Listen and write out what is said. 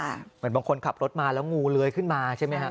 เหมือนบางคนขับรถมาแล้วงูเลื้อยขึ้นมาใช่ไหมครับ